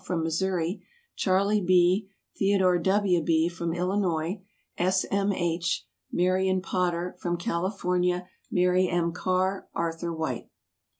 From Missouri Charlie B., Theodore W. B. From Illinois S. M. H., Marion Potter. From California Mary M. Carr, Arthur White.